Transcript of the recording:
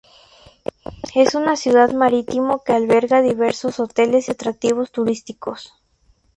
Es una ciudad marítimo que alberga diversos hoteles y atractivos turísticos.